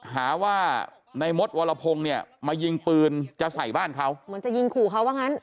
หาว่าในมดวรพงศ์เนี่ยมายิงปืนจะใส่บ้านเขาเหมือนจะยิงขู่เขาว่างั้น